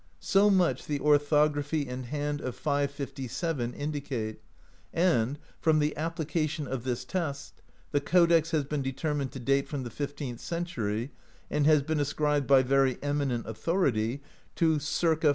So much the orthography and hand of 557, 4to, indicate, and, from the application of this test, the codex has been determined to date from the fifteenth century, and has been ascribed by very eminent authority to ca.